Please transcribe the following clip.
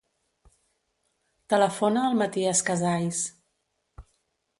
Telefona al Matías Casais.